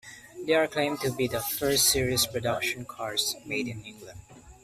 They are claimed to be the first series production cars made in England.